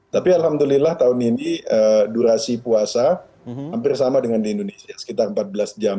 tapi alhamdulillah tahun ini durasi puasa hampir sama dengan di indonesia sekitar empat belas jam